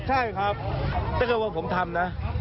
ใช่ครับแต่แค่ว่าผมทำนะ